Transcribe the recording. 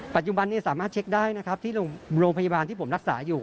ปัจจุบันนี้สามารถเช็คได้นะครับที่โรงพยาบาลที่ผมรักษาอยู่